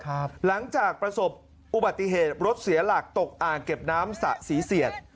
หลังจากประสบอุบัติเหตุรถเสียหลักตกอ่างเก็บน้ำสะศรีเสียด